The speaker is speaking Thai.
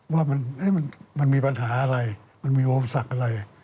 ว่ามันมีปัญหาอะไรมันมีอุปสรรคอะไร